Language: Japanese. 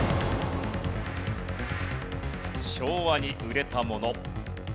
昭和に売れたもの。